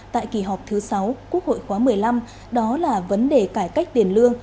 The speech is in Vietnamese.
tại kỳ họp thứ sáu quốc hội khóa một mươi năm đó là vấn đề cải cách tiền lương